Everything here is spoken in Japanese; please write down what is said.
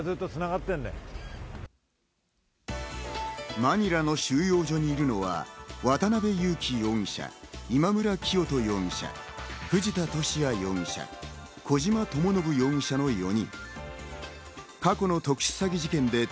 マニラの収容所にいるのは、渡辺優樹容疑者、今村磨人容疑者、藤田聖也容疑者、小島智信容疑者の４人。